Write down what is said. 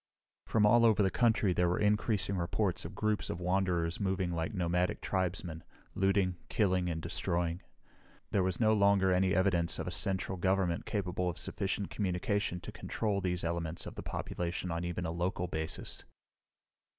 From all over the country there were increasing reports of groups of wanderers moving like nomadic tribesmen, looting, killing, and destroying. There was no longer any evidence of a central government capable of sufficient communication to control these elements of the population on even a local basis.